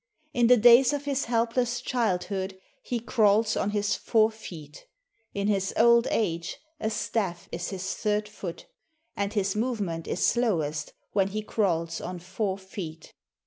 In the days of his helpless childhood he crawls on his four feet; in his old age a stafl is his third foot, and his movement is slowest when he crawls on four feet."